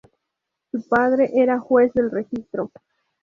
Su padre era juez del registro.